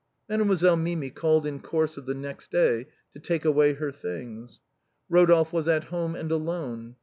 Mademoiselle Mimi called in course of the next day to take away her things. Rodolphe was at home and alone.